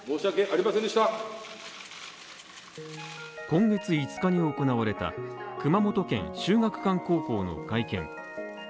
今月５日に行われた熊本県・秀岳館高校の会見。